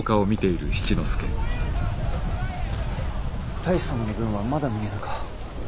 太守様の軍はまだ見えぬか？